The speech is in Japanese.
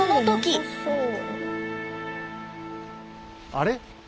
あれ？